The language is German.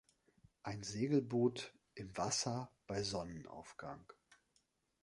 Ein Segelboot im Wasser bei Sonnenaufgang.